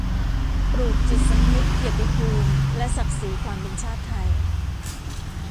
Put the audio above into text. ปลูกจิตสำนึกเกียรติภูมิและศักดิ์ศรีความเป็นชาติไทย